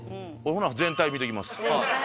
ほな全体見ときます。